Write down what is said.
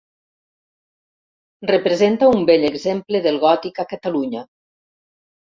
Representa un bell exemple del gòtic a Catalunya.